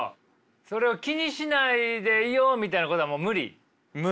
それを気にしないでいようみたいなことはもう無理？